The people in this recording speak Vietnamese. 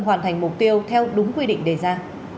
hoàn thành mục tiêu theo đúng quy định đề ra